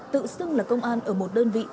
tự xưng là công an ở một đơn vị